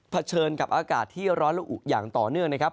เฉินกับอากาศที่ร้อนและอุอย่างต่อเนื่องนะครับ